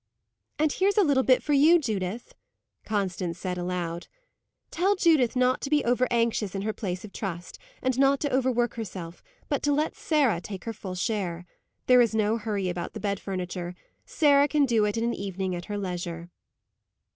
"And here's a little bit for you, Judith," Constance said aloud. "Tell Judith not to be over anxious in her place of trust; and not to over work herself, but to let Sarah take her full share. There is no hurry about the bed furniture; Sarah can do it in an evening at her leisure."